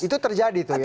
itu terjadi tuh ya